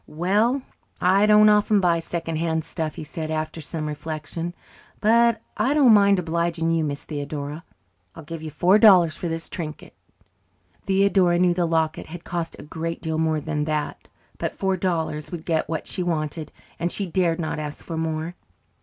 "Well, I don't often buy second hand stuff," he said, after some reflection, "but I don't mind obliging you, Miss Theodora. I'll give you four dollars for this trinket." Theodora knew the locket had cost a great deal more than that, but four dollars would get what she wanted, and she dared not ask for more.